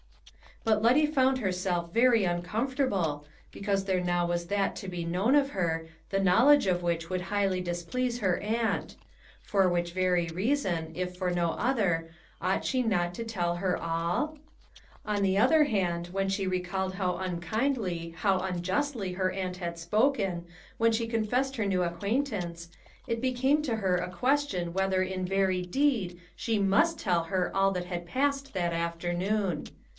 But Letty found herself very uncomfortable, because there now was that to be known of her, the knowledge of which would highly displease her aunt for which very reason, if for no other, ought she not to tell her all? On the other hand, when she recalled how unkindly, how unjustly her aunt had spoken, when she confessed her new acquaintance, it became to her a question whether in very deed she must tell her all that had passed that afternoon.